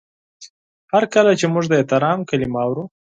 هر کله چې موږ د احترام کلمه اورو